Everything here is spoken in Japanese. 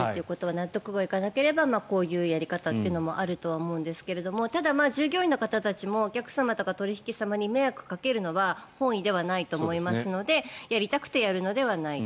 納得いかなければこういうやり方というのもあるとは思うんですけどただ、従業員の方たちもお客様とかお取引様に迷惑をかけるのは本意ではないと思いますのでやりたくてやるのではないと。